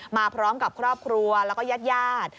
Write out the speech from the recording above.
มาพร้อมกับครอบครัวแล้วก็ญาติญาติ